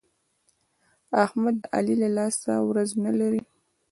احمد د علي له لاسه ورځ نه لري.